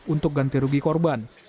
untuk ganti rugi korban